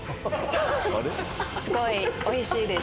すごいおいしいです。